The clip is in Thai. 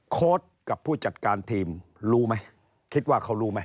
โค้ดกับผู้จัดการทีมรู้ไหมคิดว่าเขารู้ไหม